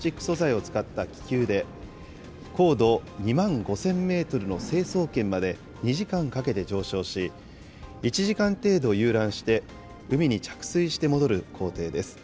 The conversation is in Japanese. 気温や気圧の変化に強い、特殊なプラスチック素材を使った気球で、高度２万５０００メートルの成層圏まで２時間かけて上昇し、１時間程度遊覧して、海に着水して戻る行程です。